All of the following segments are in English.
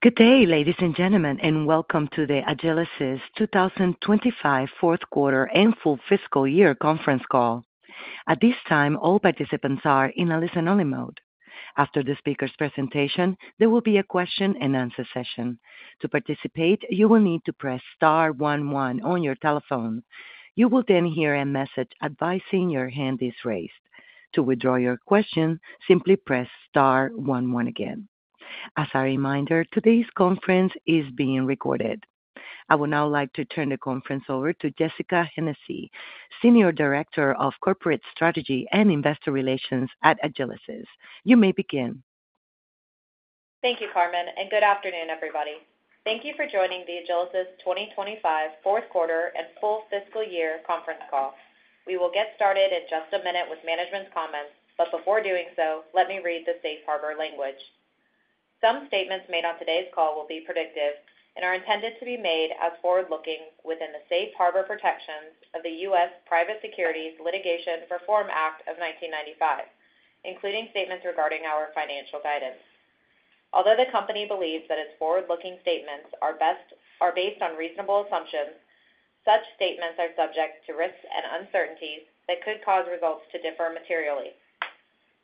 Good day, ladies and gentlemen, and welcome to the Agilysys 2025 Fourth Quarter and Full Fiscal Year conference call. At this time, all participants are in a listen-only mode. After the speaker's presentation, there will be a question-and-answer session. To participate, you will need to press star 11 on your telephone. You will then hear a message advising your hand is raised. To withdraw your question, simply press star 11 again. As a reminder, today's conference is being recorded. I would now like to turn the conference over to Jessica Hennessy, Senior Director of Corporate Strategy and Investor Relations at Agilysys. You may begin. Thank you, Carmen, and good afternoon, everybody. Thank you for joining the Agilysys 2025 Fourth Quarter and Full Fiscal Year conference call. We will get started in just a minute with management's comments, but before doing so, let me read the safe harbor language. Some statements made on today's call will be predictive and are intended to be made as forward-looking within the safe harbor protections of the U.S. Private Securities Litigation Reform Act of 1995, including statements regarding our financial guidance. Although the company believes that its forward-looking statements are based on reasonable assumptions, such statements are subject to risks and uncertainties that could cause results to differ materially.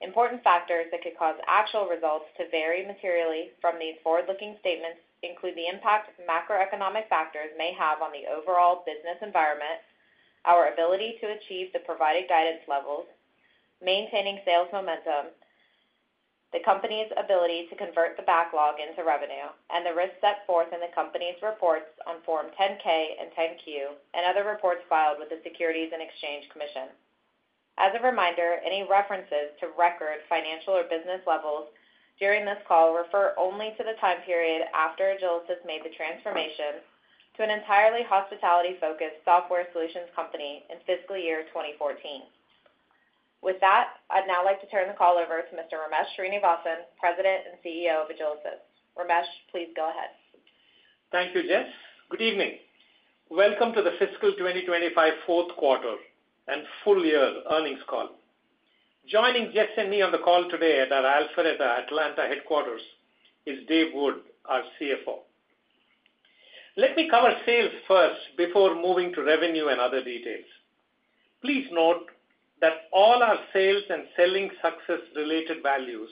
Important factors that could cause actual results to vary materially from these forward-looking statements include the impact macroeconomic factors may have on the overall business environment, our ability to achieve the provided guidance levels, maintaining sales momentum, the company's ability to convert the backlog into revenue, and the risks set forth in the company's reports on Form 10-K and 10-Q and other reports filed with the Securities and Exchange Commission. As a reminder, any references to record financial or business levels during this call refer only to the time period after Agilysys made the transformation to an entirely hospitality-focused software solutions company in Fiscal Year 2014. With that, I'd now like to turn the call over to Mr. Ramesh Srinivasan, President and CEO of Agilysys. Ramesh, please go ahead. Thank you, Jess. Good evening. Welcome to the Fiscal 2025 Fourth Quarter and Full Year earnings call. Joining Jess and me on the call today at our Alpharetta, Atlanta headquarters is Dave Wood, our CFO. Let me cover sales first before moving to revenue and other details. Please note that all our sales and selling success-related values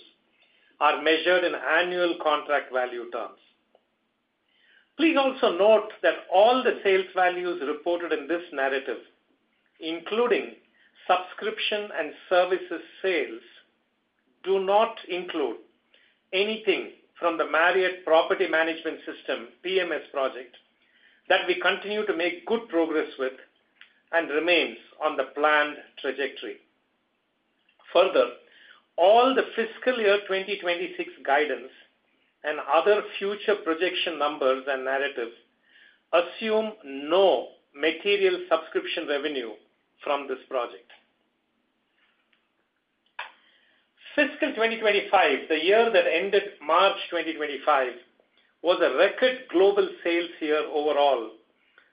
are measured in annual contract value terms. Please also note that all the sales values reported in this narrative, including subscription and services sales, do not include anything from the Marriott Property Management System PMS project that we continue to make good progress with and remains on the planned trajectory. Further, all the Fiscal Year 2026 guidance and other future projection numbers and narratives assume no material subscription revenue from this project. Fiscal 2025, the year that ended March 2025, was a record global sales year overall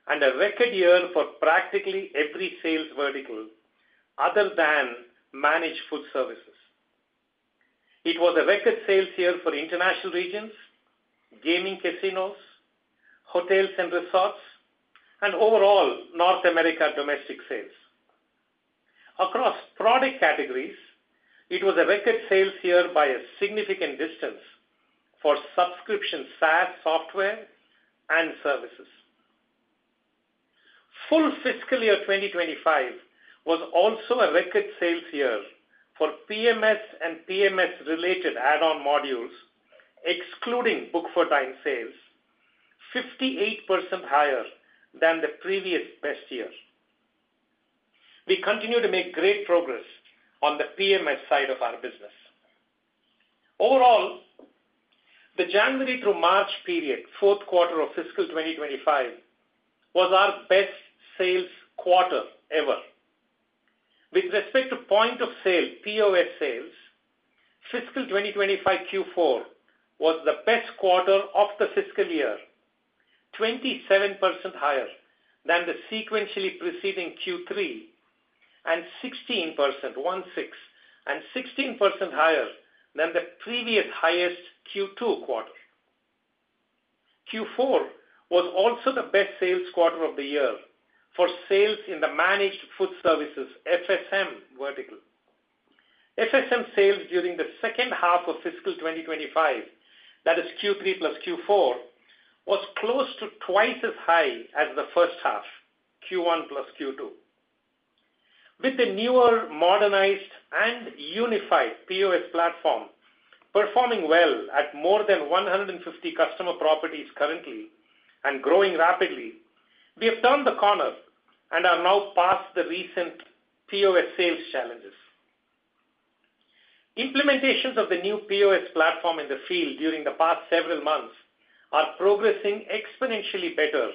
and a record year for practically every sales vertical other than managed food services. It was a record sales year for international regions, gaming casinos, hotels and resorts, and overall North America domestic sales. Across product categories, it was a record sales year by a significant distance for subscription SaaS software and services. Full Fiscal Year 2025 was also a record sales year for PMS and PMS-related add-on modules, excluding Book for Time sales, 58% higher than the previous best year. We continue to make great progress on the PMS side of our business. Overall, the January through March period, Fourth Quarter of Fiscal 2025, was our best sales quarter ever. With respect to point of sale, POS sales, Fiscal 2025 Q4 was the best quarter of the fiscal year, 27% higher than the sequentially preceding Q3 and 16%, 16% higher than the previous highest Q2 quarter. Q4 was also the best sales quarter of the year for sales in the managed food services FSM vertical. FSM sales during the second half of Fiscal 2025, that is Q3 plus Q4, was close to twice as high as the first half, Q1 plus Q2. With the newer, modernized, and unified POS platform performing well at more than 150 customer properties currently and growing rapidly, we have turned the corner and are now past the recent POS sales challenges. Implementations of the new POS platform in the field during the past several months are progressing exponentially better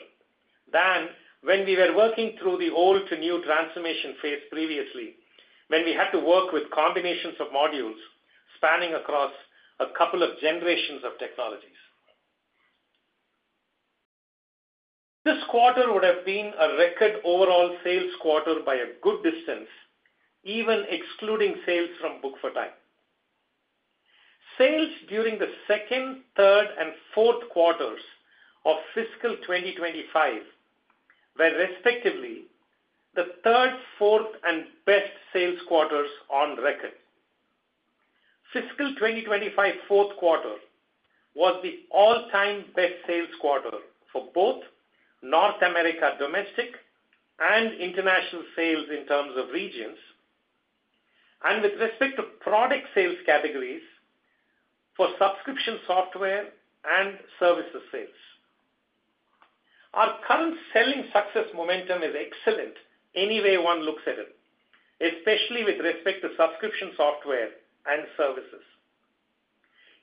than when we were working through the old-to-new transformation phase previously, when we had to work with combinations of modules spanning across a couple of generations of technologies. This quarter would have been a record overall sales quarter by a good distance, even excluding sales from Book for Time. Sales during the second, third, and fourth quarters of Fiscal 2025 were, respectively, the third, fourth, and best sales quarters on record. Fiscal 2025 fourth quarter was the all-time best sales quarter for both North America domestic and international sales in terms of regions, and with respect to product sales categories for subscription software and services sales. Our current selling success momentum is excellent any way one looks at it, especially with respect to subscription software and services.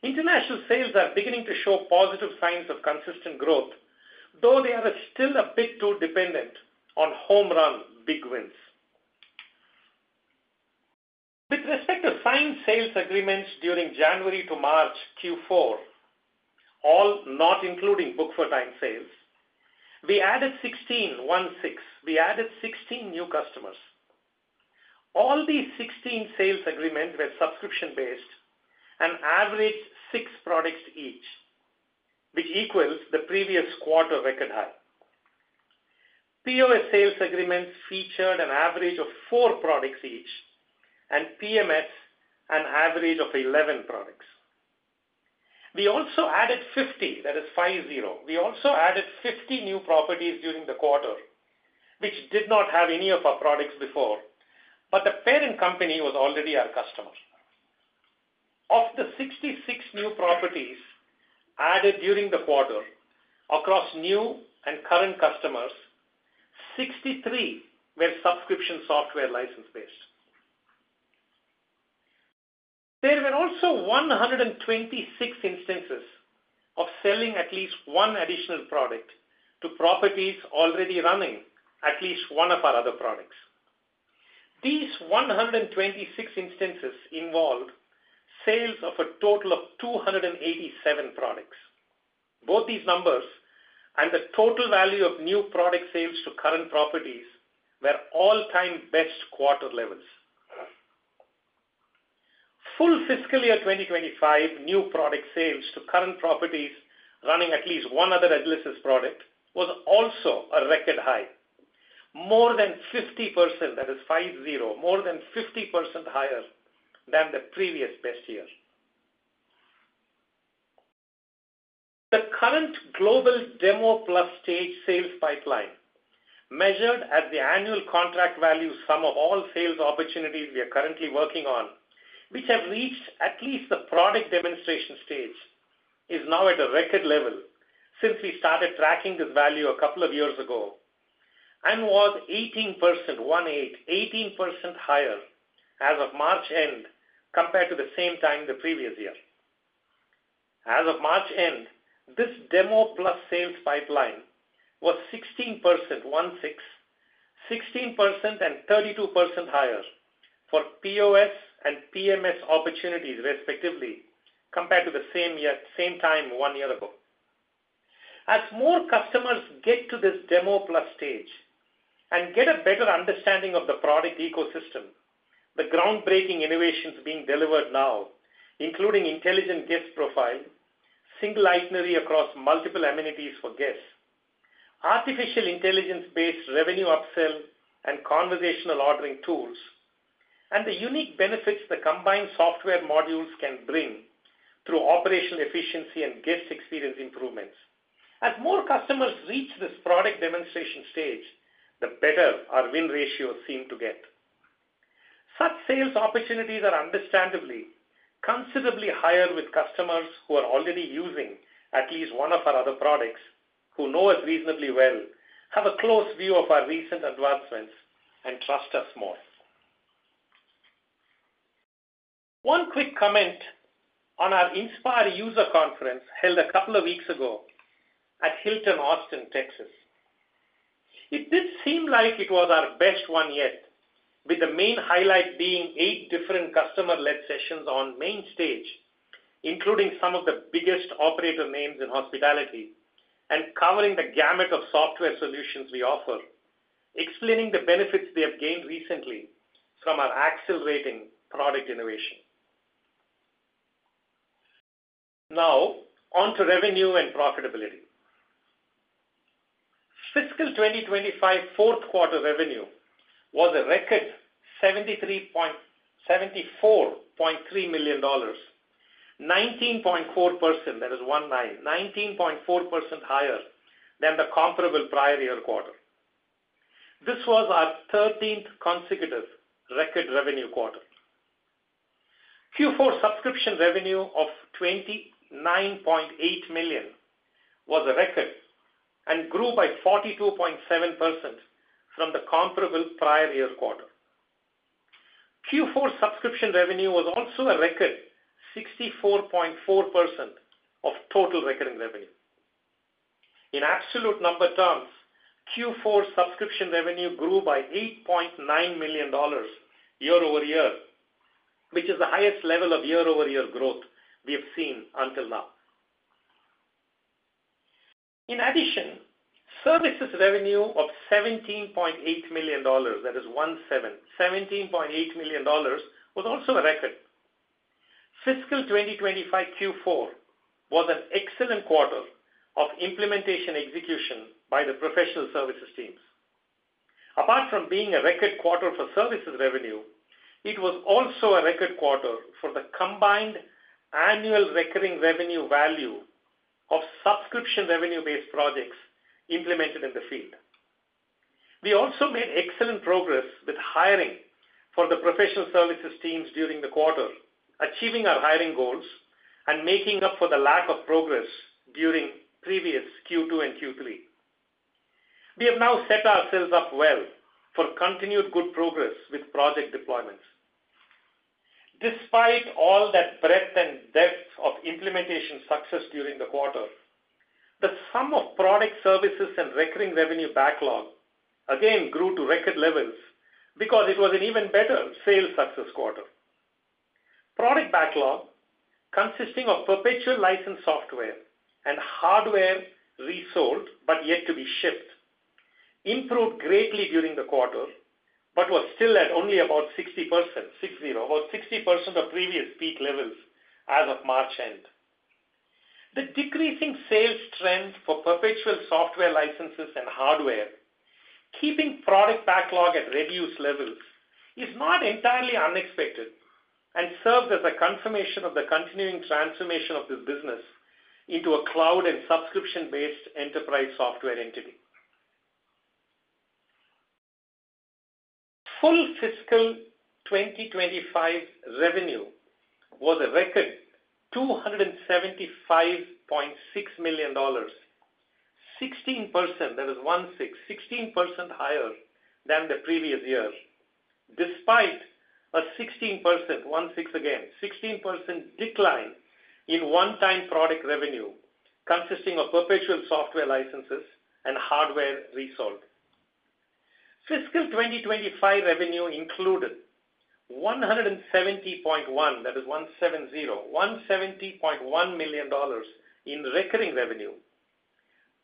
International sales are beginning to show positive signs of consistent growth, though they are still a bit too dependent on home-run big wins. With respect to signed sales agreements during January to March Q4, all not including Book for Time sales, we added 16 new customers. All these 16 sales agreements were subscription-based and averaged six products each, which equals the previous quarter record high. POS sales agreements featured an average of four products each, and PMS an average of 11 products. We also added 50 new properties during the quarter, which did not have any of our products before, but the parent company was already our customer. Of the 66 new properties added during the quarter across new and current customers, 63 were subscription software license-based. There were also 126 instances of selling at least one additional product to properties already running at least one of our other products. These 126 instances involved sales of a total of 287 products. Both these numbers and the total value of new product sales to current properties were all-time best quarter levels. Full Fiscal Year 2025 new product sales to current properties running at least one other Agilysys product was also a record high, more than 50%, that is 50, more than 50% higher than the previous best year. The current global demo plus stage sales pipeline, measured at the annual contract value sum of all sales opportunities we are currently working on, which have reached at least the product demonstration stage, is now at a record level since we started tracking this value a couple of years ago and was 18% higher as of March end compared to the same time the previous year. As of March end, this demo plus sales pipeline was 16% and 32% higher for POS and PMS opportunities, respectively, compared to the same time one year ago. As more customers get to this demo plus stage and get a better understanding of the product ecosystem, the groundbreaking innovations being delivered now, including intelligent guest profile, single itinerary across multiple amenities for guests, artificial intelligence-based revenue upsell and conversational ordering tools, and the unique benefits the combined software modules can bring through operational efficiency and guest experience improvements. As more customers reach this product demonstration stage, the better our win ratio seemed to get. Such sales opportunities are understandably considerably higher with customers who are already using at least one of our other products, who know us reasonably well, have a close view of our recent advancements, and trust us more. One quick comment on our Inspire user conference held a couple of weeks ago at Hilton Austin, Texas. It did seem like it was our best one yet, with the main highlight being eight different customer-led sessions on main stage, including some of the biggest operator names in hospitality and covering the gamut of software solutions we offer, explaining the benefits they have gained recently from our accelerating product innovation. Now, on to revenue and profitability. Fiscal 2025 fourth quarter revenue was a record $74.3 million, 19.4%, that is 19.4% higher than the comparable prior year quarter. This was our 13th consecutive record revenue quarter. Q4 subscription revenue of $29.8 million was a record and grew by 42.7% from the comparable prior year quarter. Q4 subscription revenue was also a record 64.4% of total record revenue. In absolute number terms, Q4 subscription revenue grew by $8.9 million year over year, which is the highest level of year-over-year growth we have seen until now. In addition, services revenue of $17.8 million, that is $17.8 million, was also a record. Fiscal 2025 Q4 was an excellent quarter of implementation execution by the professional services teams. Apart from being a record quarter for services revenue, it was also a record quarter for the combined annual recurring revenue value of subscription revenue-based projects implemented in the field. We also made excellent progress with hiring for the professional services teams during the quarter, achieving our hiring goals and making up for the lack of progress during previous Q2 and Q3. We have now set ourselves up well for continued good progress with project deployments. Despite all that breadth and depth of implementation success during the quarter, the sum of product services and recurring revenue backlog again grew to record levels because it was an even better sales success quarter. Product backlog, consisting of perpetual license software and hardware resold but yet to be shipped, improved greatly during the quarter but was still at only about 60%, 60, about 60% of previous peak levels as of March end. The decreasing sales trend for perpetual software licenses and hardware, keeping product backlog at reduced levels, is not entirely unexpected and serves as a confirmation of the continuing transformation of this business into a cloud and subscription-based enterprise software entity. Full Fiscal 2025 revenue was a record $275.6 million, 16%, that is 16% higher than the previous year, despite a 16%, 16% again, 16% decline in one-time product revenue consisting of perpetual software licenses and hardware resold. Fiscal 2025 revenue included $170.1 million in recurring revenue,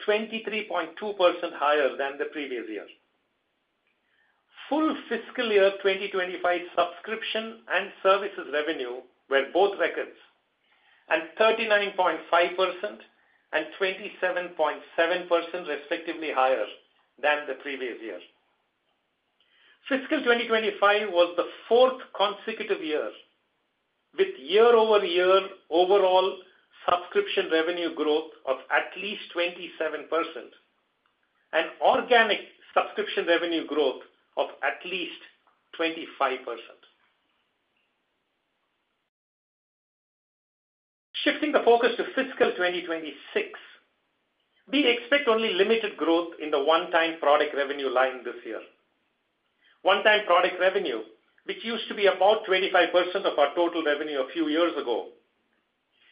23.2% higher than the previous year. Full Fiscal Year 2025 subscription and services revenue were both records and 39.5% and 27.7%, respectively, higher than the previous year. Fiscal 2025 was the fourth consecutive year with year-over-year overall subscription revenue growth of at least 27% and organic subscription revenue growth of at least 25%. Shifting the focus to Fiscal 2026, we expect only limited growth in the one-time product revenue line this year. One-time product revenue, which used to be about 25% of our total revenue a few years ago,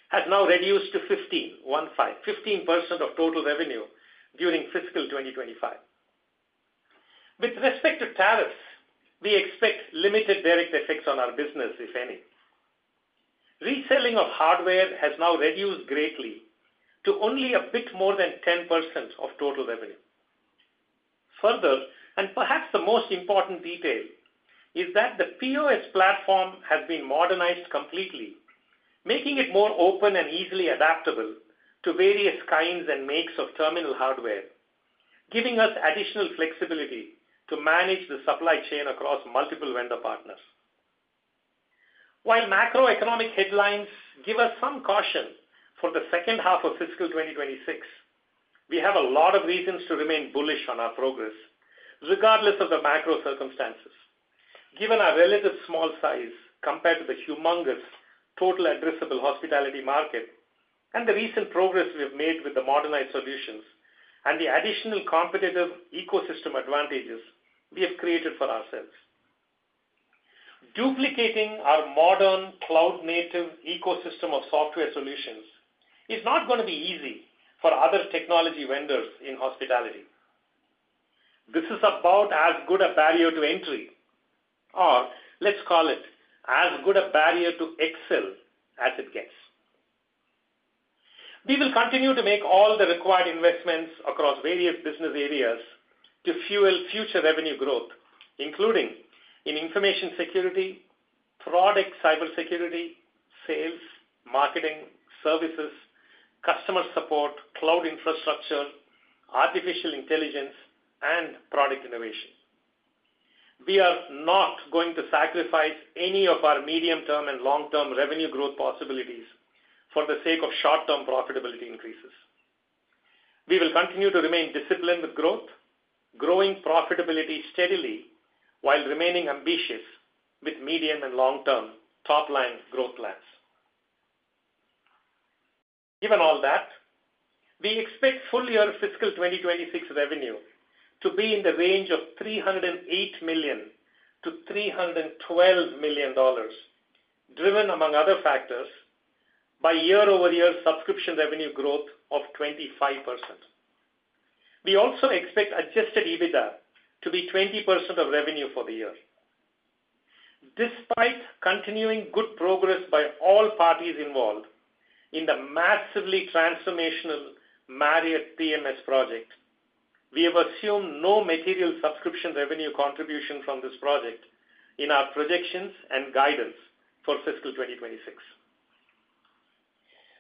has now reduced to 15% of total revenue during Fiscal 2025. With respect to tariffs, we expect limited direct effects on our business, if any. Reselling of hardware has now reduced greatly to only a bit more than 10% of total revenue. Further, and perhaps the most important detail is that the POS platform has been modernized completely, making it more open and easily adaptable to various kinds and makes of terminal hardware, giving us additional flexibility to manage the supply chain across multiple vendor partners. While macroeconomic headlines give us some caution for the second half of Fiscal 2026, we have a lot of reasons to remain bullish on our progress, regardless of the macro circumstances. Given our relative small size compared to the humongous total addressable hospitality market and the recent progress we have made with the modernized solutions and the additional competitive ecosystem advantages we have created for ourselves. Duplicating our modern cloud-native ecosystem of software solutions is not going to be easy for other technology vendors in hospitality. This is about as good a barrier to entry, or let's call it as good a barrier to excel as it gets. We will continue to make all the required investments across various business areas to fuel future revenue growth, including in information security, product cybersecurity, sales, marketing, services, customer support, cloud infrastructure, artificial intelligence, and product innovation. We are not going to sacrifice any of our medium-term and long-term revenue growth possibilities for the sake of short-term profitability increases. We will continue to remain disciplined with growth, growing profitability steadily while remaining ambitious with medium and long-term top-line growth plans. Given all that, we expect full year Fiscal 2026 revenue to be in the range of $308 million to $312 million, driven, among other factors, by year-over-year subscription revenue growth of 25%. We also expect adjusted EBITDA to be 20% of revenue for the year. Despite continuing good progress by all parties involved in the massively transformational Marriott PMS project, we have assumed no material subscription revenue contribution from this project in our projections and guidance for Fiscal 2026.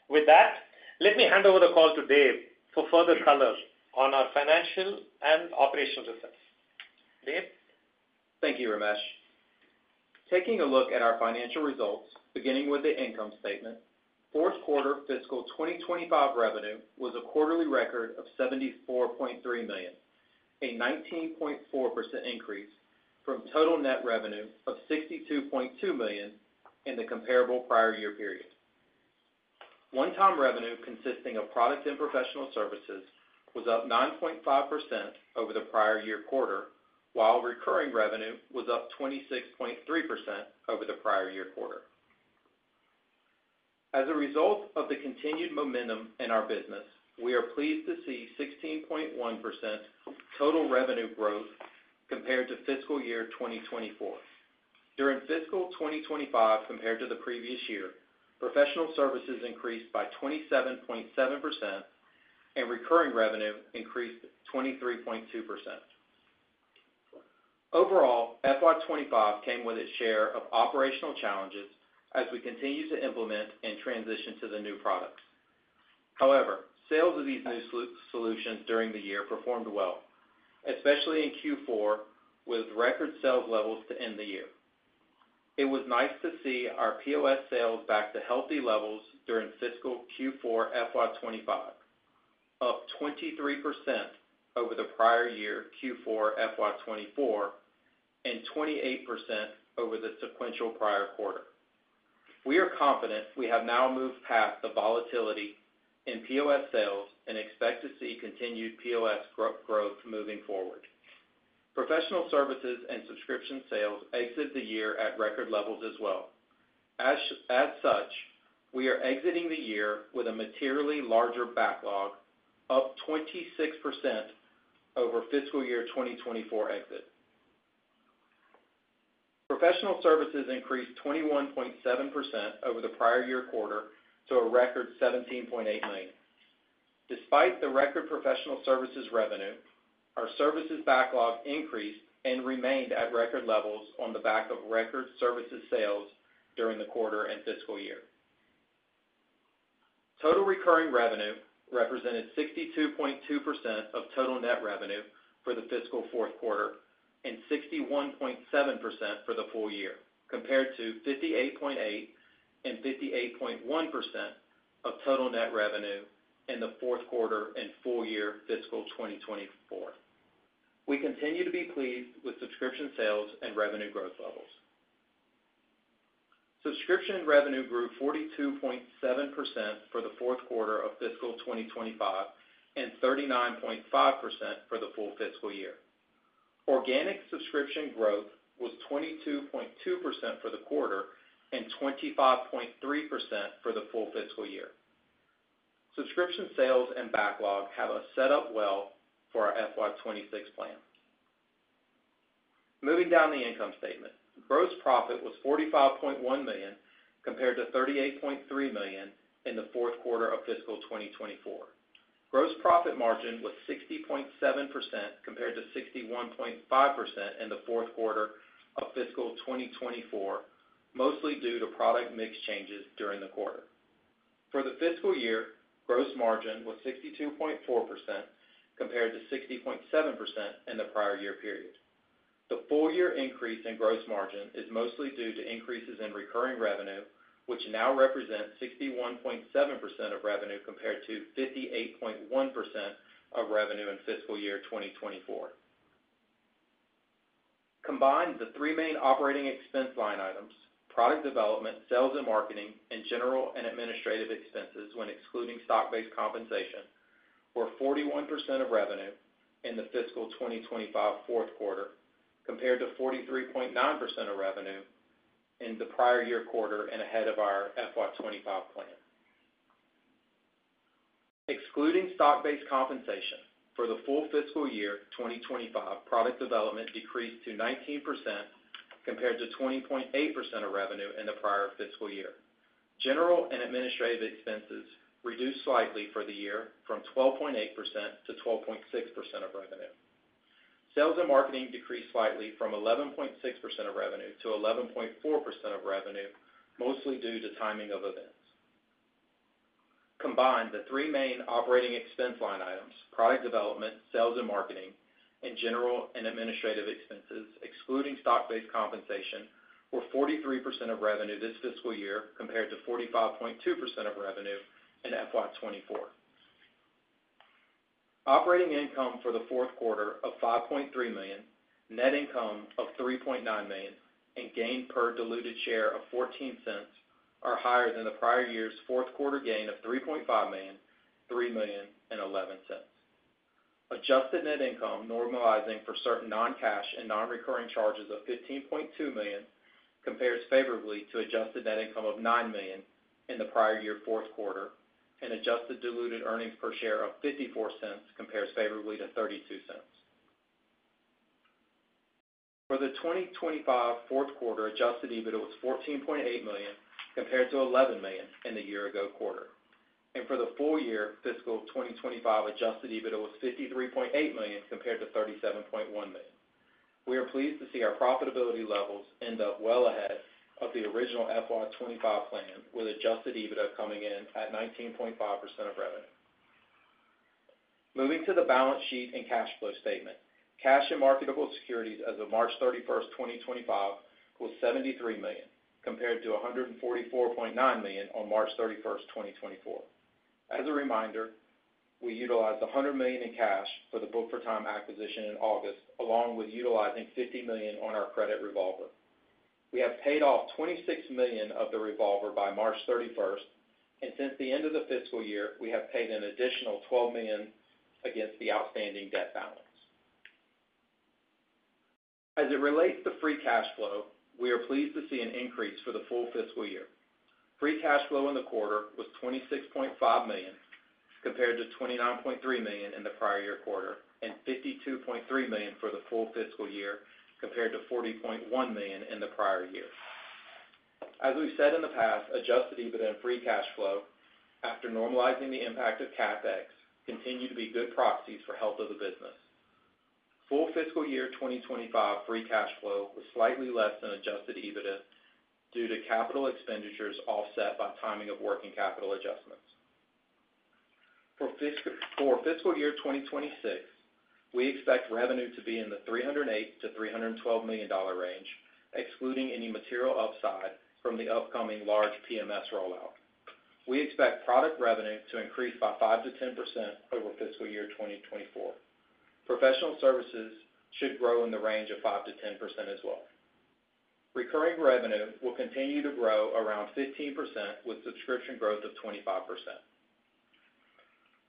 With that, let me hand over the call to Dave for further color on our financial and operational results. Dave? Thank you, Ramesh. Taking a look at our financial results, beginning with the income statement, fourth quarter Fiscal 2025 revenue was a quarterly record of $74.3 million, a 19.4% increase from total net revenue of $62.2 million in the comparable prior year period. One-time revenue consisting of product and professional services was up 9.5% over the prior year quarter, while recurring revenue was up 26.3% over the prior year quarter. As a result of the continued momentum in our business, we are pleased to see 16.1% total revenue growth compared to Fiscal Year 2024. During Fiscal 2025, compared to the previous year, professional services increased by 27.7%, and recurring revenue increased 23.2%. Overall, FY 2025 came with its share of operational challenges as we continue to implement and transition to the new products. However, sales of these new solutions during the year performed well, especially in Q4 with record sales levels to end the year. It was nice to see our POS sales back to healthy levels during fiscal Q4 FY25, up 23% over the prior year Q4 FY24 and 28% over the sequential prior quarter. We are confident we have now moved past the volatility in POS sales and expect to see continued POS growth moving forward. Professional services and subscription sales exited the year at record levels as well. As such, we are exiting the year with a materially larger backlog, up 26% over Fiscal Year 2024 exit. Professional services increased 21.7% over the prior year quarter to a record $17.8 million. Despite the record professional services revenue, our services backlog increased and remained at record levels on the back of record services sales during the quarter and fiscal year. Total recurring revenue represented 62.2% of total net revenue for the fiscal fourth quarter and 61.7% for the full year, compared to 58.8% and 58.1% of total net revenue in the fourth quarter and full year Fiscal 2024. We continue to be pleased with subscription sales and revenue growth levels. Subscription revenue grew 42.7% for the fourth quarter of fiscal 2025 and 39.5% for the full fiscal year. Organic subscription growth was 22.2% for the quarter and 25.3% for the full fiscal year. Subscription sales and backlog have set up well for our FY 2026 plan. Moving down the income statement, gross profit was $45.1 million compared to $38.3 million in the fourth quarter of Fiscal 2024. Gross profit margin was 60.7% compared to 61.5% in the fourth quarter of Fiscal 2024, mostly due to product mix changes during the quarter. For the fiscal year, gross margin was 62.4% compared to 60.7% in the prior year period. The full year increase in gross margin is mostly due to increases in recurring revenue, which now represents 61.7% of revenue compared to 58.1% of revenue in Fiscal Year 2024. Combined, the three main operating expense line items, product development, sales and marketing, and general and administrative expenses, when excluding stock-based compensation, were 41% of revenue in the Fiscal 2025 fourth quarter compared to 43.9% of revenue in the prior year quarter and ahead of our FY2025 plan. Excluding stock-based compensation for the full Fiscal Year 2025, product development decreased to 19% compared to 20.8% of revenue in the prior fiscal year. General and administrative expenses reduced slightly for the year from 12.8% to 12.6% of revenue. Sales and marketing decreased slightly from 11.6% of revenue to 11.4% of revenue, mostly due to timing of events. Combined, the three main operating expense line items, product development, sales and marketing, and general and administrative expenses, excluding stock-based compensation, were 43% of revenue this fiscal year compared to 45.2% of revenue in FY 2024. Operating income for the fourth quarter of $5.3 million, net income of $3.9 million, and gain per diluted share of $0.14 are higher than the prior year's fourth quarter gain of $3.5 million, $3 million, and $0.11. Adjusted net income normalizing for certain non-cash and non-recurring charges of $15.2 million compares favorably to adjusted net income of $9 million in the prior year fourth quarter, and adjusted diluted earnings per share of $0.54 compares favorably to $0.32. For the 2025 fourth quarter, adjusted EBITDA was $14.8 million compared to $11 million in the year-ago quarter. For the full year Fiscal 2025, adjusted EBITDA was $53.8 million compared to $37.1 million. We are pleased to see our profitability levels end up well ahead of the original FY 2025 plan, with adjusted EBITDA coming in at 19.5% of revenue. Moving to the balance sheet and cash flow statement, cash and marketable securities as of March 31, 2025, was $73 million compared to $144.9 million on March 31, 2024. As a reminder, we utilized $100 million in cash for the Book for Time acquisition in August, along with utilizing $50 million on our credit revolver. We have paid off $26 million of the revolver by March 31, and since the end of the fiscal year, we have paid an additional $12 million against the outstanding debt balance. As it relates to free cash flow, we are pleased to see an increase for the full fiscal year. Free cash flow in the quarter was $26.5 million compared to $29.3 million in the prior year quarter, and $52.3 million for the full fiscal year compared to $40.1 million in the prior year. As we've said in the past, adjusted EBITDA and free cash flow, after normalizing the impact of CapEx, continue to be good proxies for health of the business. Full Fiscal Year 2025 free cash flow was slightly less than adjusted EBITDA due to capital expenditures offset by timing of working capital adjustments. For fiscal year 2026, we expect revenue to be in the $308 million-$312 million range, excluding any material upside from the upcoming large PMS rollout. We expect product revenue to increase by 5%-10% over fiscal year 2024. Professional services should grow in the range of 5%-10% as well. Recurring revenue will continue to grow around 15% with subscription growth of 25%.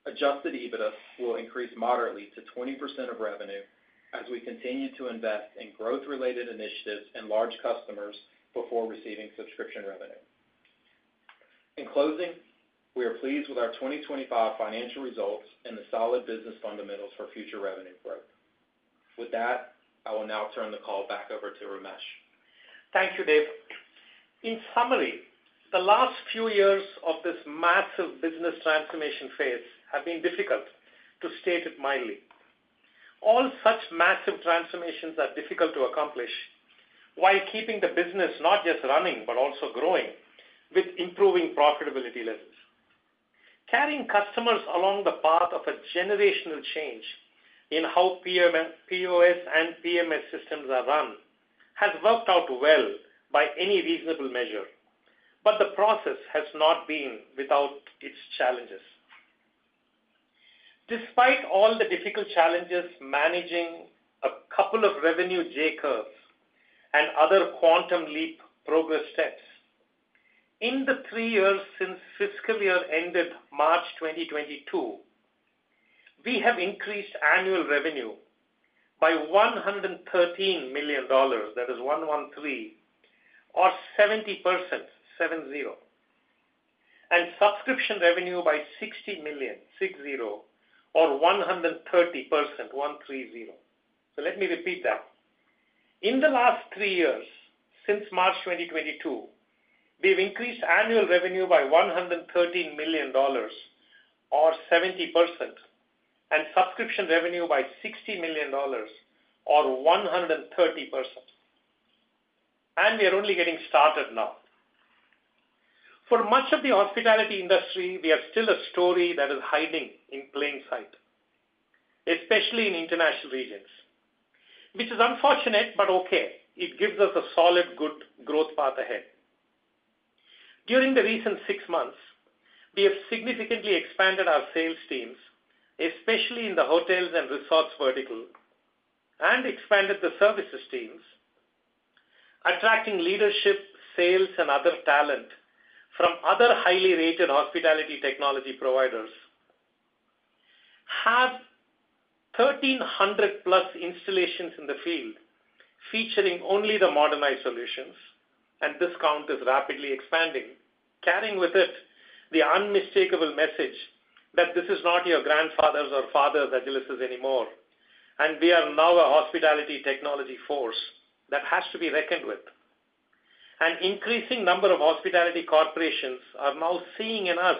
Adjusted EBITDA will increase moderately to 20% of revenue as we continue to invest in growth-related initiatives and large customers before receiving subscription revenue. In closing, we are pleased with our 2025 financial results and the solid business fundamentals for future revenue growth. With that, I will now turn the call back over to Ramesh. Thank you, Dave. In summary, the last few years of this massive business transformation phase have been difficult, to state it mildly. All such massive transformations are difficult to accomplish while keeping the business not just running, but also growing with improving profitability levels. Carrying customers along the path of a generational change in how POS and PMS systems are run has worked out well by any reasonable measure, but the process has not been without its challenges. Despite all the difficult challenges managing a couple of revenue J curves and other quantum leap progress steps, in the three years since fiscal year ended March 2022, we have increased annual revenue by $113 million, that is 113, or 70%, 7-0, and subscription revenue by $60 million, 6-0, or 130%, 130. So let me repeat that. In the last three years since March 2022, we have increased annual revenue by $113 million, or 70%, and subscription revenue by $60 million, or 130%. We are only getting started now. For much of the hospitality industry, we have still a story that is hiding in plain sight, especially in international regions, which is unfortunate, but okay. It gives us a solid good growth path ahead. During the recent six months, we have significantly expanded our sales teams, especially in the hotels and resorts vertical, and expanded the services teams, attracting leadership, sales, and other talent from other highly rated hospitality technology providers. Have 1,300-plus installations in the field featuring only the modernized solutions, and this count is rapidly expanding, carrying with it the unmistakable message that this is not your grandfather's or father's Agilysys anymore, and we are now a hospitality technology force that has to be reckoned with. An increasing number of hospitality corporations are now seeing in us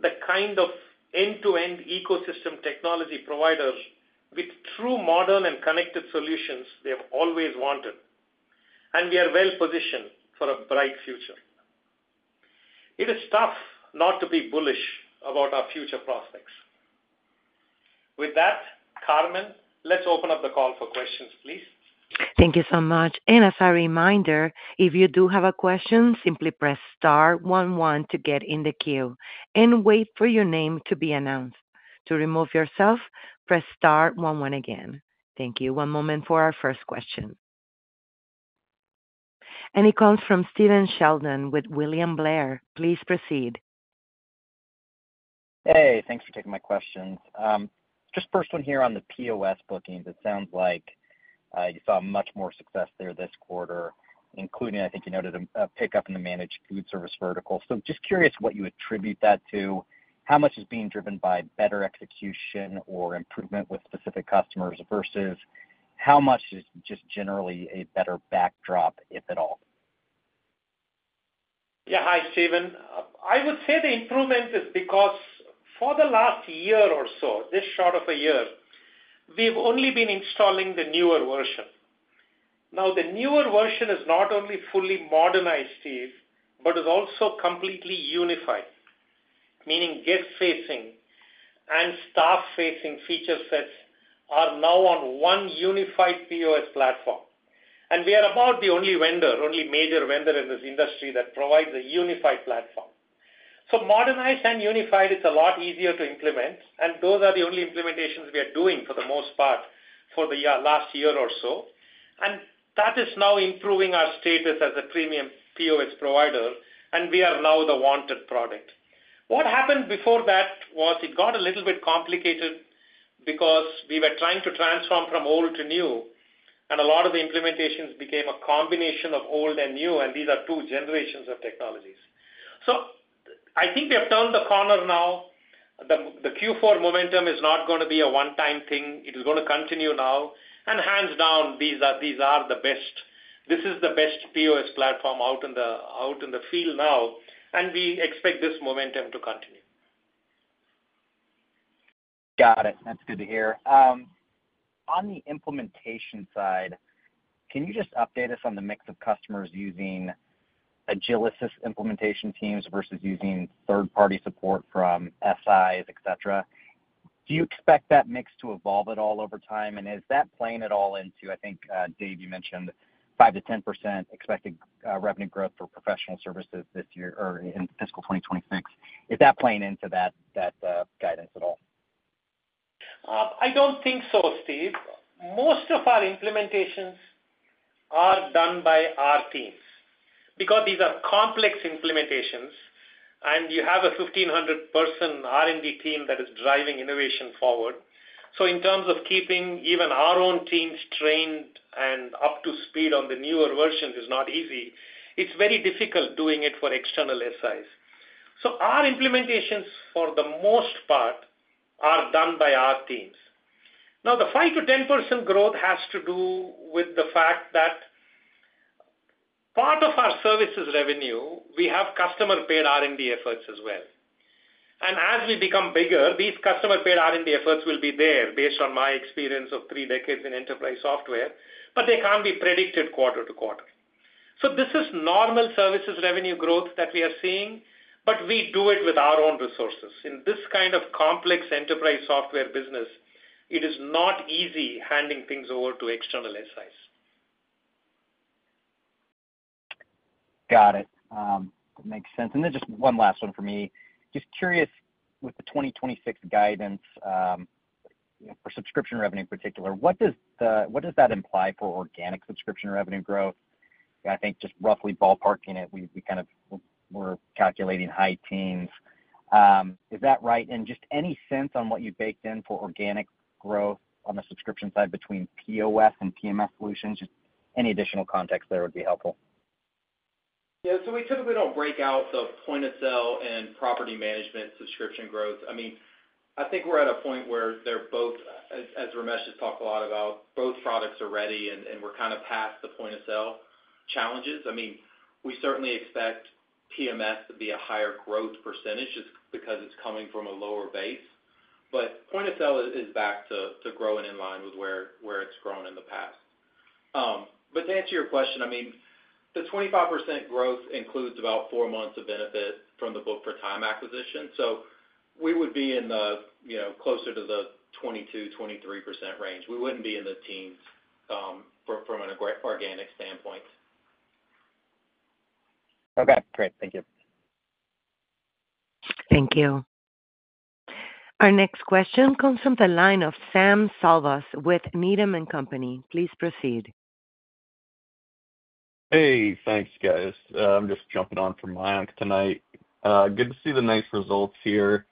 the kind of end-to-end ecosystem technology providers with true modern and connected solutions they have always wanted, and we are well positioned for a bright future. It is tough not to be bullish about our future prospects. With that, Carmen, let's open up the call for questions, please. Thank you so much. As a reminder, if you do have a question, simply press star 11 to get in the queue and wait for your name to be announced. To remove yourself, press star 11 again. Thank you. One moment for our first question. It comes from Stephen Sheldon with William Blair. Please proceed. Hey, thanks for taking my questions. Just first one here on the POS bookings. It sounds like you saw much more success there this quarter, including, I think you noted, a pickup in the managed food service vertical. Just curious what you attribute that to. How much is being driven by better execution or improvement with specific customers versus how much is just generally a better backdrop, if at all? Yeah. Hi, Stephen. I would say the improvement is because for the last year or so, this short of a year, we've only been installing the newer version. Now, the newer version is not only fully modernized, Steve, but is also completely unified, meaning guest-facing and staff-facing feature sets are now on one unified POS platform. We are about the only vendor, only major vendor in this industry that provides a unified platform. Modernized and unified, it is a lot easier to implement, and those are the only implementations we are doing for the most part for the last year or so. That is now improving our status as a premium POS provider, and we are now the wanted product. What happened before that was it got a little bit complicated because we were trying to transform from old to new, and a lot of the implementations became a combination of old and new, and these are two generations of technologies. I think we have turned the corner now. The Q4 momentum is not going to be a one-time thing. It is going to continue now. Hands down, these are the best. This is the best POS platform out in the field now, and we expect this momentum to continue. Got it. That's good to hear. On the implementation side, can you just update us on the mix of customers using Agilysys implementation teams versus using third-party support from SIs, etc.? Do you expect that mix to evolve at all over time, and is that playing at all into, I think, Dave, you mentioned 5%-10% expected revenue growth for professional services this year or in fiscal 2026? Is that playing into that guidance at all? I don't think so, Steve. Most of our implementations are done by our teams because these are complex implementations, and you have a 1,500-person R&D team that is driving innovation forward. In terms of keeping even our own teams trained and up to speed on the newer versions is not easy. It's very difficult doing it for external SIs. So our implementations, for the most part, are done by our teams. Now, the 5%-10% growth has to do with the fact that part of our services revenue, we have customer-paid R&D efforts as well. And as we become bigger, these customer-paid R&D efforts will be there, based on my experience of three decades in enterprise software, but they can't be predicted quarter to quarter. This is normal services revenue growth that we are seeing, but we do it with our own resources. In this kind of complex enterprise software business, it is not easy handing things over to external SIs. Got it. That makes sense. Just one last one for me. Just curious, with the 2026 guidance for subscription revenue in particular, what does that imply for organic subscription revenue growth? I think just roughly ballparking it, we kind of were calculating high teens. Is that right? Just any sense on what you've baked in for organic growth on the subscription side between POS and PMS solutions? Just any additional context there would be helpful. Yeah. We typically do not break out the point of sale and property management subscription growth. I mean, I think we are at a point where they are both, as Ramesh has talked a lot about, both products are ready, and we are kind of past the point of sale challenges. I mean, we certainly expect PMS to be a higher growth percentage just because it is coming from a lower base. Point of sale is back to growing in line with where it has grown in the past. To answer your question, I mean, the 25% growth includes about four months of benefit from the Book for Time acquisition. We would be in the closer to the 22-23% range. We would not be in the teens from an organic standpoint. Okay. Great. Thank you. Thank you. Our next question comes from the line of Sam Salvas with Needham & Company. Please proceed. Hey. Thanks, guys. I'm just jumping on for my tonight. Good to see the nice results here.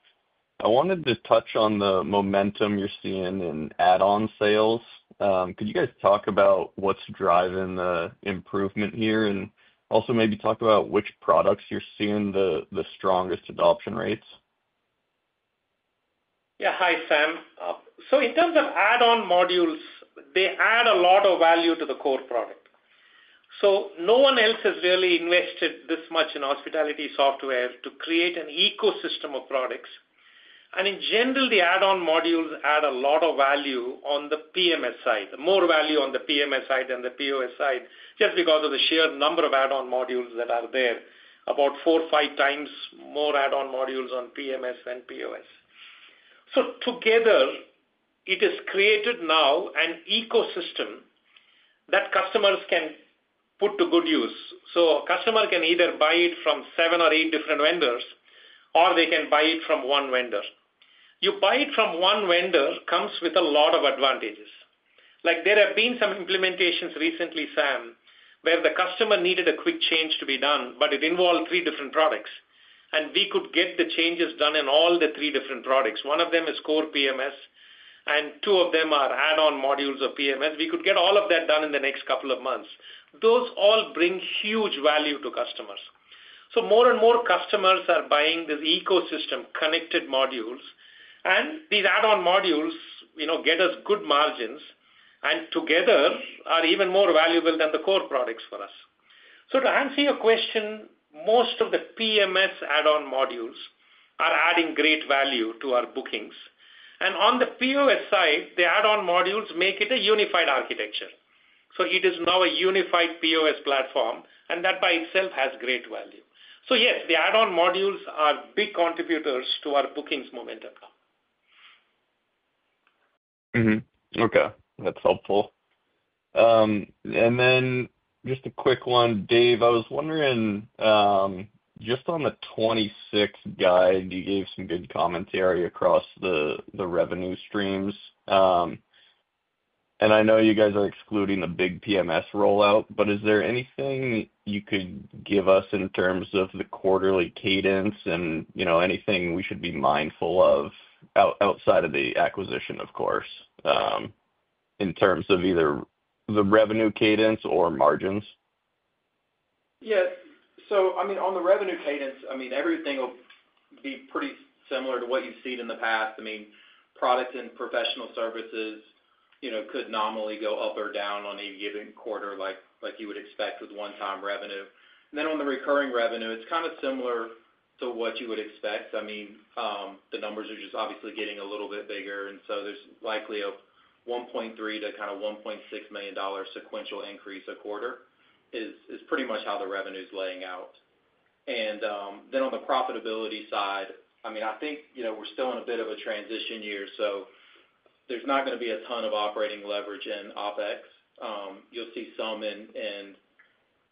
I wanted to touch on the momentum you are seeing in add-on sales. Could you guys talk about what is driving the improvement here and also maybe talk about which products you are seeing the strongest adoption rates? Yeah. Hi, Sam. In terms of add-on modules, they add a lot of value to the core product. No one else has really invested this much in hospitality software to create an ecosystem of products. In general, the add-on modules add a lot of value on the PMS side, more value on the PMS side than the POS side, just because of the sheer number of add-on modules that are there, about four or five times more add-on modules on PMS than POS. Together, it has created now an ecosystem that customers can put to good use. A customer can either buy it from seven or eight different vendors, or they can buy it from one vendor. You buy it from one vendor comes with a lot of advantages. There have been some implementations recently, Sam, where the customer needed a quick change to be done, but it involved three different products, and we could get the changes done in all the three different products. One of them is core PMS, and two of them are add-on modules of PMS. We could get all of that done in the next couple of months. Those all bring huge value to customers. More and more customers are buying this ecosystem, connected modules, and these add-on modules get us good margins and together are even more valuable than the core products for us. To answer your question, most of the PMS add-on modules are adding great value to our bookings. On the POS side, the add-on modules make it a unified architecture. It is now a unified POS platform, and that by itself has great value. Yes, the add-on modules are big contributors to our bookings momentum now. Okay. That's helpful. Just a quick one, Dave. I was wondering, just on the 2026 guide, you gave some good commentary across the revenue streams. I know you guys are excluding the big PMS rollout, but is there anything you could give us in terms of the quarterly cadence and anything we should be mindful of outside of the acquisition, of course, in terms of either the revenue cadence or margins? Yes. On the revenue cadence, everything will be pretty similar to what you've seen in the past. Products and professional services could nominally go up or down on a given quarter like you would expect with one-time revenue. On the recurring revenue, it's kind of similar to what you would expect. I mean, the numbers are just obviously getting a little bit bigger, and so there's likely a $1.3 million-$1.6 million sequential increase a quarter is pretty much how the revenue is laying out. And then on the profitability side, I mean, I think we're still in a bit of a transition year, so there's not going to be a ton of operating leverage in OpEx. You'll see some in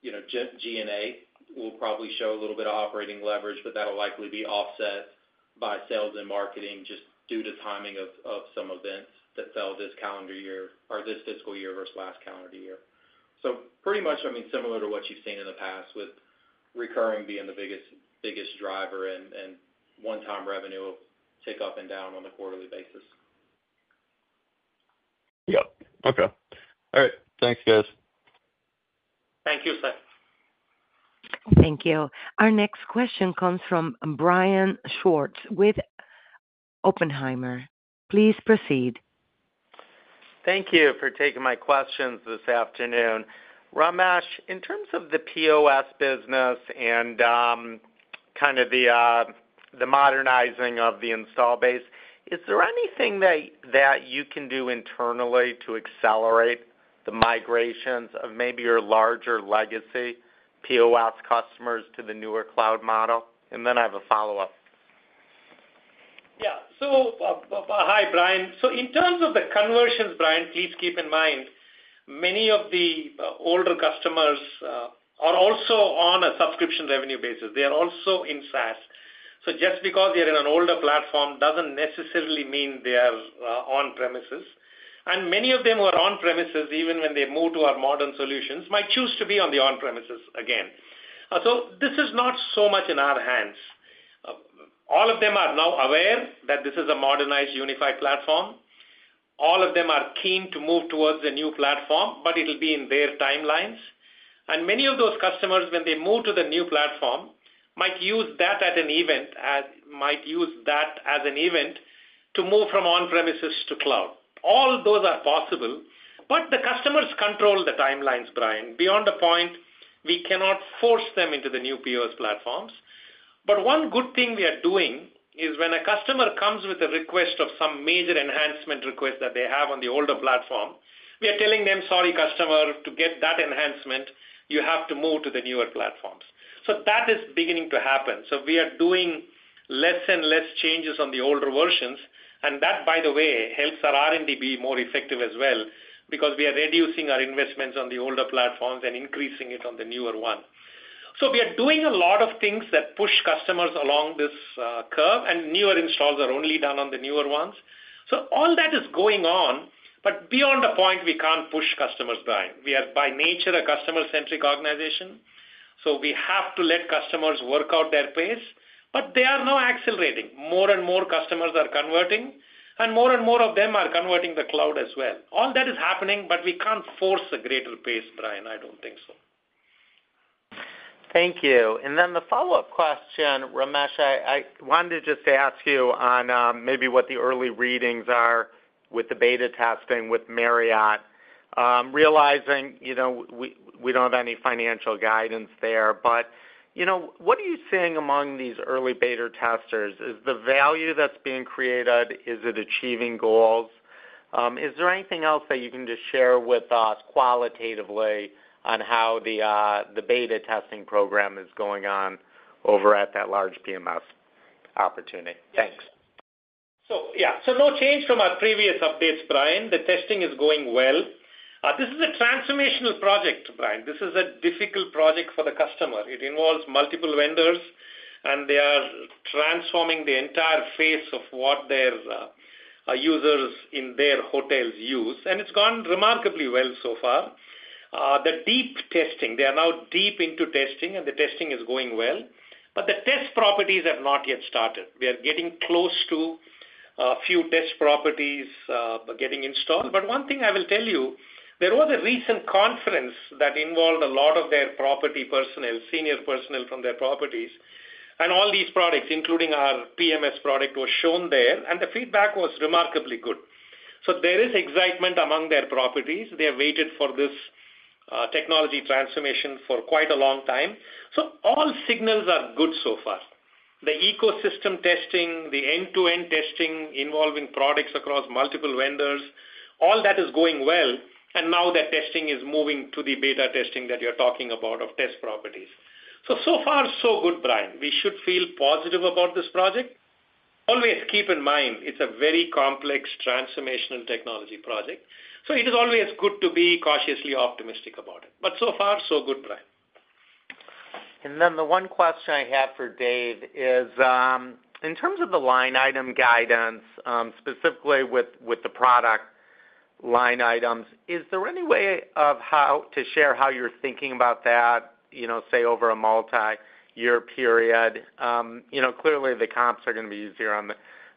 G&A will probably show a little bit of operating leverage, but that'll likely be offset by sales and marketing just due to timing of some events that fell this calendar year or this fiscal year versus last calendar year. So pretty much, I mean, similar to what you've seen in the past with recurring being the biggest driver and one-time revenue take up and down on a quarterly basis. Yep. Okay. All right. Thanks, guys. Thank you, Sam. Thank you. Our next question comes from Brian Schwartz with Oppenheimer. Please proceed. Thank you for taking my questions this afternoon. Ramesh, in terms of the POS business and kind of the modernizing of the install base, is there anything that you can do internally to accelerate the migrations of maybe your larger legacy POS customers to the newer cloud model? And then I have a follow-up. Yeah. Hi, Brian. In terms of the conversions, Brian, please keep in mind many of the older customers are also on a subscription revenue basis. They are also in SaaS. Just because they are in an older platform does not necessarily mean they are on-premises. Many of them who are on-premises, even when they move to our modern solutions, might choose to be on the on-premises again. This is not so much in our hands. All of them are now aware that this is a modernized unified platform. All of them are keen to move towards a new platform, but it'll be in their timelines. Many of those customers, when they move to the new platform, might use that as an event to move from on-premises to cloud. All those are possible, but the customers control the timelines, Brian. Beyond the point we cannot force them into the new POS platforms. One good thing we are doing is when a customer comes with a request of some major enhancement request that they have on the older platform, we are telling them, "Sorry, customer, to get that enhancement, you have to move to the newer platforms." That is beginning to happen. We are doing less and less changes on the older versions, and that, by the way, helps our R&D be more effective as well because we are reducing our investments on the older platforms and increasing it on the newer one. We are doing a lot of things that push customers along this curve, and newer installs are only done on the newer ones. All that is going on, but beyond the point we can't push customers behind. We are, by nature, a customer-centric organization, so we have to let customers work out their pace, but they are now accelerating. More and more customers are converting, and more and more of them are converting to the cloud as well. All that is happening, but we can't force a greater pace, Brian. I don't think so. Thank you. And then the follow-up question, Ramesh, I wanted to just ask you on maybe what the early readings are with the beta testing with Marriott, realizing we don't have any financial guidance there. But what are you seeing among these early beta testers? Is the value that's being created? Is it achieving goals? Is there anything else that you can just share with us qualitatively on how the beta testing program is going on over at that large PMS opportunity? Thanks. Yeah. No change from our previous updates, Brian. The testing is going well. This is a transformational project, Brian. This is a difficult project for the customer. It involves multiple vendors, and they are transforming the entire face of what their users in their hotels use, and it's gone remarkably well so far. The deep testing, they are now deep into testing, and the testing is going well, but the test properties have not yet started. We are getting close to a few test properties getting installed. One thing I will tell you, there was a recent conference that involved a lot of their property personnel, senior personnel from their properties, and all these products, including our PMS product, were shown there, and the feedback was remarkably good. There is excitement among their properties. They have waited for this technology transformation for quite a long time. All signals are good so far. The ecosystem testing, the end-to-end testing involving products across multiple vendors, all that is going well, and now that testing is moving to the beta testing that you're talking about of test properties. So far, so good, Brian. We should feel positive about this project. Always keep in mind it's a very complex transformational technology project, so it is always good to be cautiously optimistic about it. But so far, so good, Brian. And then the one question I have for Dave is, in terms of the line item guidance, specifically with the product line items, is there any way of how to share how you're thinking about that, say, over a multi-year period? Clearly, the comps are going to be easier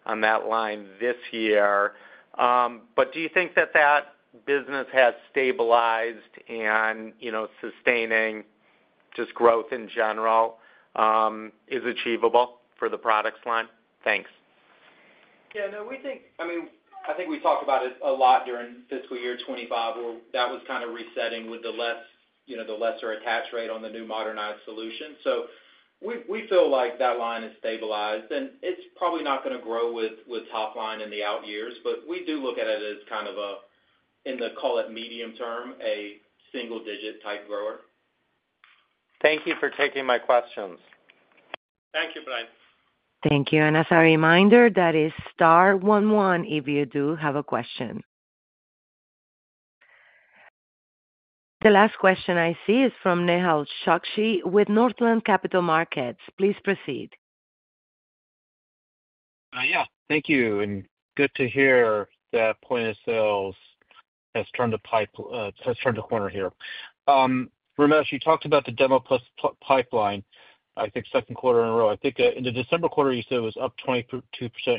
on that line this year. But do you think that that business has stabilized and sustaining just growth in general is achievable for the products line? Thanks. Yeah. No, we think, I mean, I think we talked about it a lot during fiscal year 2025, where that was kind of resetting with the lesser attach rate on the new modernized solution. We feel like that line is stabilized, and it's probably not going to grow with top line in the out years, but we do look at it as kind of a, in the call it medium term, a single-digit type grower. Thank you for taking my questions. Thank you, Brian. Thank you. As a reminder, that is star 11 if you do have a question. The last question I see is from Nehal Chokshi with Northland Capital Markets. Please proceed. Yeah. Thank you. Good to hear that point of sales has turned a corner here. Ramesh, you talked about the demo plus pipeline, I think, second quarter in a row. I think in the December quarter, you said it was up 22%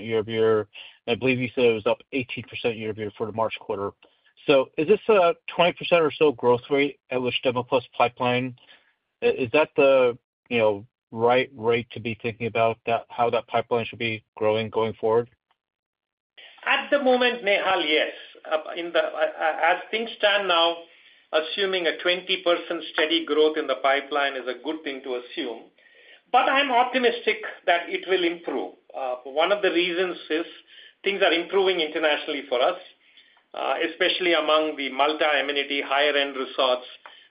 year over year. I believe you said it was up 18% year over year for the March quarter. Is this a 20% or so growth rate at which demo plus pipeline, is that the right rate to be thinking about how that pipeline should be growing going forward? At the moment, Nehal, yes. As things stand now, assuming a 20% steady growth in the pipeline is a good thing to assume, but I'm optimistic that it will improve. One of the reasons is things are improving internationally for us, especially among the multi-amenity higher-end resorts.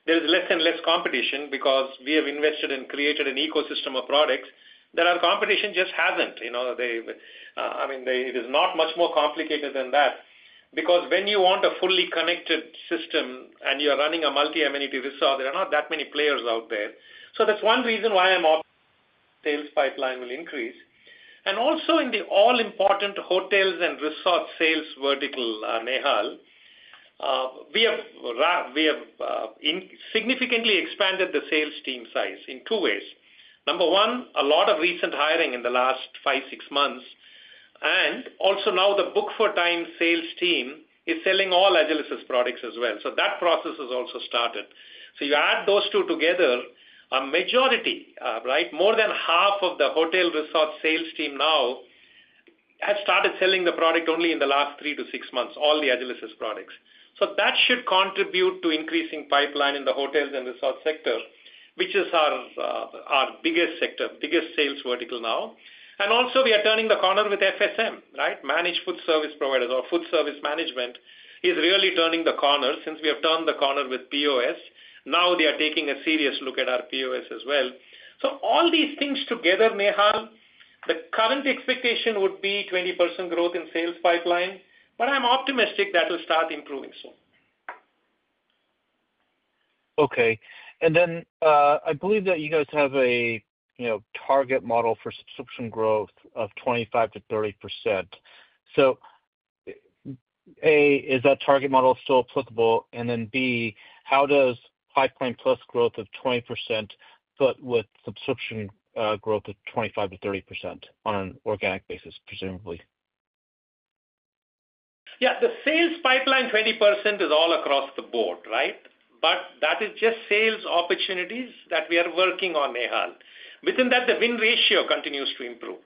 There's less and less competition because we have invested and created an ecosystem of products that our competition just hasn't. I mean, it is not much more complicated than that because when you want a fully connected system and you're running a multi-amenity resort, there are not that many players out there. That's one reason why I'm optimistic that sales pipeline will increase. Also in the all-important hotels and resort sales vertical, Nehal, we have significantly expanded the sales team size in two ways. Number one, a lot of recent hiring in the last five or six months, and also now the Book for Time sales team is selling all Agilysys products as well. That process has also started. You add those two together, a majority, right? More than half of the hotel resort sales team now has started selling the product only in the last three to six months, all the Agilysys products. That should contribute to increasing pipeline in the hotels and resort sector, which is our biggest sector, biggest sales vertical now. We are turning the corner with FSM, right? Managed Food Service Providers or Food Service Management is really turning the corner since we have turned the corner with POS. Now they are taking a serious look at our POS as well. All these things together, Nehal, the current expectation would be 20% growth in sales pipeline, but I'm optimistic that will start improving soon. Okay. I believe that you guys have a target model for subscription growth of 25-30%. A, is that target model still applicable? B, how does pipeline plus growth of 20% fit with subscription growth of 25-30% on an organic basis, presumably? Yeah. The sales pipeline 20% is all across the board, right? That is just sales opportunities that we are working on, Nehal. Within that, the win ratio continues to improve.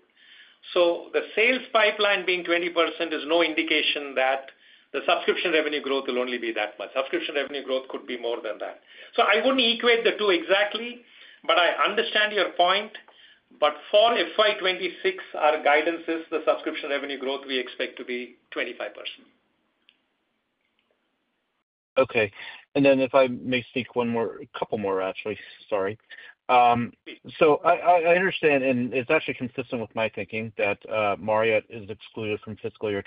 The sales pipeline being 20% is no indication that the subscription revenue growth will only be that much. Subscription revenue growth could be more than that. I would not equate the two exactly, but I understand your point. For fiscal year 2026, our guidance is the subscription revenue growth we expect to be 25%. Okay. If I may speak one more, a couple more, actually. Sorry. I understand, and it is actually consistent with my thinking that Marriott is excluded from Fiscal Year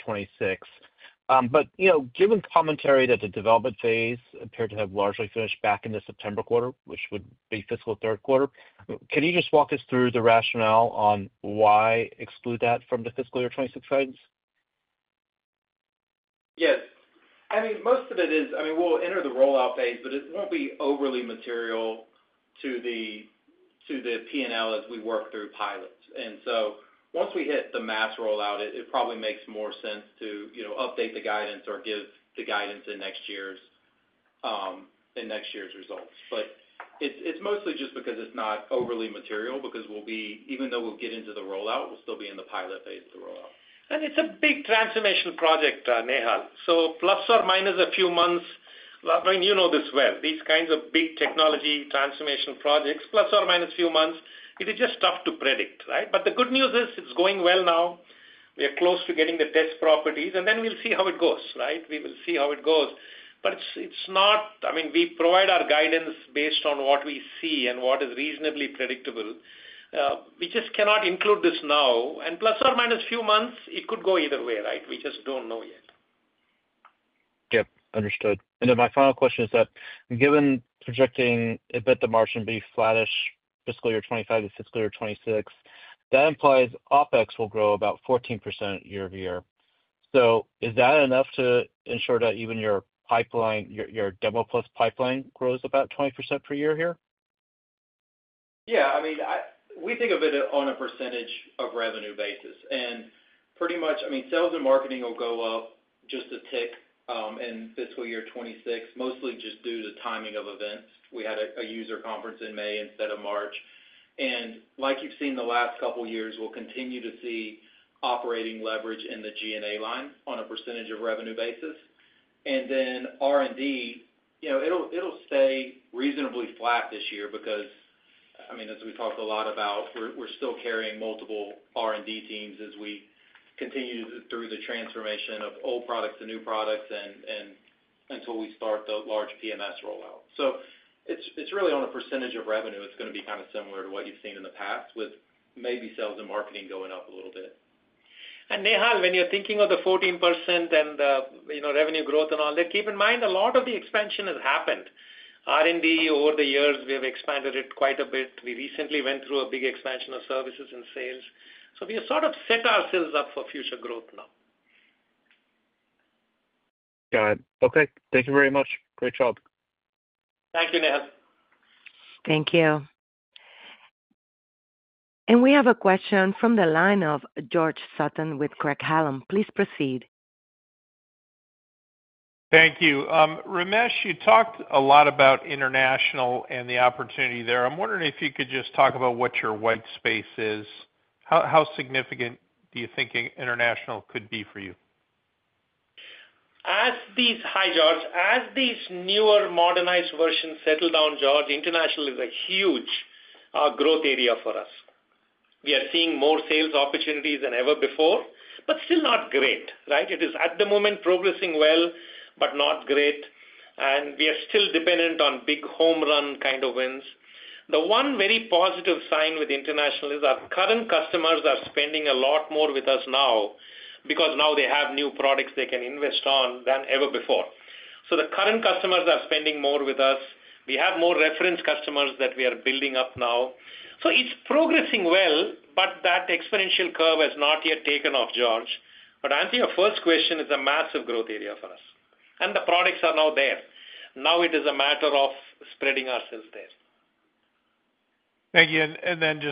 2026. Given commentary that the development phase appeared to have largely finished back in the September quarter, which would be fiscal third quarter, can you just walk us through the rationale on why exclude that from the Fiscal Year 2026 guidance? Yes. Most of it is, I mean, we will enter the rollout phase, but it will not be overly material to the P&L as we work through pilots. Once we hit the mass rollout, it probably makes more sense to update the guidance or give the guidance in next year's results. It is mostly just because it is not overly material because we will be, even though we will get into the rollout, we will still be in the pilot phase of the rollout. It is a big transformation project, Nehal. Plus or minus a few months, I mean, you know this well, these kinds of big technology transformation projects, plus or minus a few months, it is just tough to predict, right? The good news is it is going well now. We are close to getting the test properties, and then we will see how it goes, right? We will see how it goes. It is not, I mean, we provide our guidance based on what we see and what is reasonably predictable. We just cannot include this now. Plus or minus a few months, it could go either way, right? We just do not know yet. Yep. Understood. My final question is that given projecting a bit the margin be flat-ish Fiscal Year 2025 to Fiscal Year 2026, that implies OpEx will grow about 14% year over year. Is that enough to ensure that even your pipeline, your demo plus pipeline, grows about 20% per year here? Yeah. I mean, we think of it on a percentage of revenue basis. Pretty much, I mean, sales and marketing will go up just a tick in fiscal year 2026, mostly just due to timing of events. We had a user conference in May instead of March. Like you have seen the last couple of years, we will continue to see operating leverage in the G&A line on a percentage of revenue basis. R&D will stay reasonably flat this year because, I mean, as we talked a lot about, we're still carrying multiple R&D teams as we continue through the transformation of old products to new products until we start the large PMS rollout. It is really on a percentage of revenue. It is going to be kind of similar to what you've seen in the past with maybe sales and marketing going up a little bit. Nehal, when you're thinking of the 14% and the revenue growth and all, keep in mind a lot of the expansion has happened. R&D over the years, we have expanded it quite a bit. We recently went through a big expansion of services and sales. We have sort of set ourselves up for future growth now. Got it. Okay. Thank you very much. Great job. Thank you, Nehal. Thank you. We have a question from the line of George Sutton with Craig Hallum. Please proceed. Thank you. Ramesh, you talked a lot about international and the opportunity there. I'm wondering if you could just talk about what your white space is. How significant do you think international could be for you? As these newer modernized versions settle down, George, international is a huge growth area for us. We are seeing more sales opportunities than ever before, but still not great, right? It is at the moment progressing well, but not great. We are still dependent on big home run kind of wins. The one very positive sign with international is our current customers are spending a lot more with us now because now they have new products they can invest on than ever before. The current customers are spending more with us. We have more reference customers that we are building up now. It is progressing well, but that exponential curve has not yet taken off, George. Answering your first question, it is a massive growth area for us. The products are now there. Now it is a matter of spreading ourselves there. Thank you.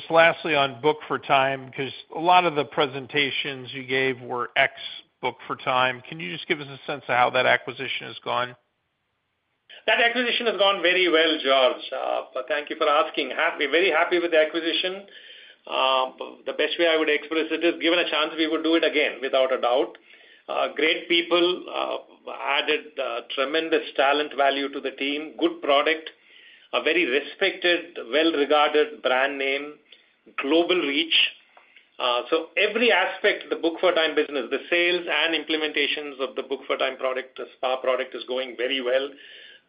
Lastly, on Book for Time, because a lot of the presentations you gave were ex Book for Time, can you just give us a sense of how that acquisition has gone? That acquisition has gone very well, George. Thank you for asking. Very happy with the acquisition. The best way I would express it is, given a chance, we would do it again without a doubt. Great people added tremendous talent value to the team. Good product. A very respected, well-regarded brand name. Global reach. Every aspect of the Book for Time business, the sales and implementations of the Book for Time product, the spa product is going very well.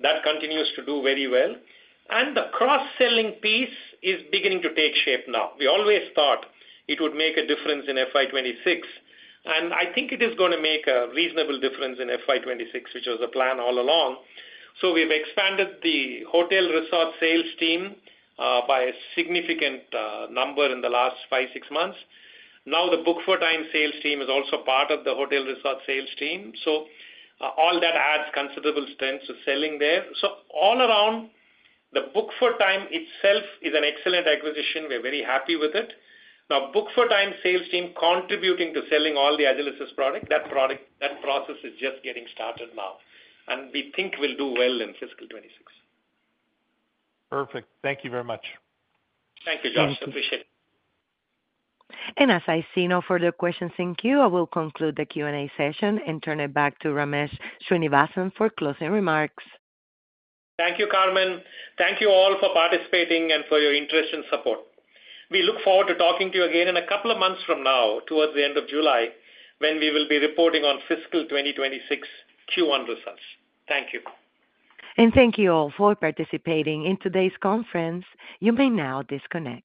That continues to do very well. The cross-selling piece is beginning to take shape now. We always thought it would make a difference in FY 2026. I think it is going to make a reasonable difference in FY 2026, which was the plan all along. We have expanded the hotel resort sales team by a significant number in the last five or six months. Now the Book for Time sales team is also part of the hotel resort sales team. All that adds considerable strength to selling there. All around, the Book for Time itself is an excellent acquisition. We are very happy with it. Now, Book for Time sales team contributing to selling all the Agilysys product, that process is just getting started now. We think we'll do well in Fiscal 2026. Perfect. Thank you very much. Thank you, George. Appreciate it. As I see no further questions, thank you. I will conclude the Q&A session and turn it back to Ramesh Srinivasan for closing remarks. Thank you, Carmen. Thank you all for participating and for your interest and support. We look forward to talking to you again in a couple of months from now, towards the end of July, when we will be reporting on Fiscal 2026 Q1 results. Thank you. Thank you all for participating in today's conference. You may now disconnect.